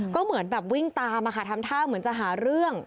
ก็เหมือนแบบวิ่งตามอะค่ะทำท่าเหมือนจะหาเรื่อง